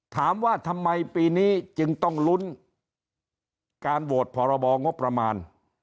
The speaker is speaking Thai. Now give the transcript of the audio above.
ถามว่าทำไมปีนี้จึงต้องลุ้นการโหวตพรบงบประมาณ